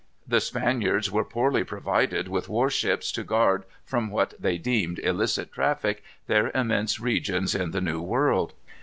The Spaniards were poorly provided with war ships to guard from what they deemed illicit traffic their immense regions in the New World.